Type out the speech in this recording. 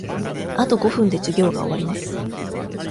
あと五分で授業が終わります。